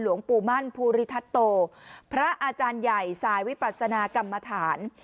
หลวงปู่มั่นภูริทัศโตพระอาจารย์ใหญ่สายวิปัสนากรรมฐาน